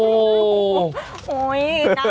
โอ้โหน้ำกระจุยกระจายเลย